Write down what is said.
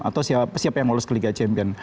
atau siapa yang lolos ke liga champion